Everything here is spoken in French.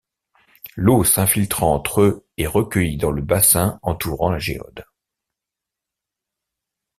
L'eau s'infiltrant entre eux est recueillie dans le bassin entourant la géode.